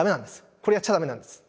これやっちゃダメなんです。